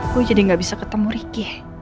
gue jadi nggak bisa ketemu riki